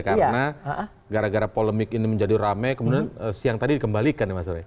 karena gara gara polemik ini menjadi rame kemudian siang tadi dikembalikan ya mas soe